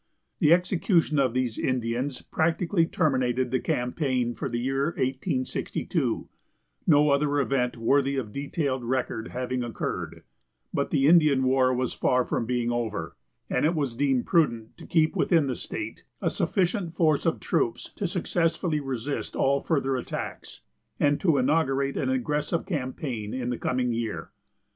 The execution of these Indians practically terminated the campaign for the year 1862, no other event worthy of detailed record having occurred; but the Indian war was far from being over, and it was deemed prudent to keep within the state a sufficient force of troops to successfully resist all further attacks, and to inaugurate an aggressive campaign in the coming year.